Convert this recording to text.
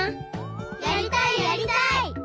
やりたいやりたい！